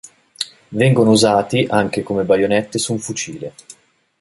Vengono usati anche come baionette su un fucile.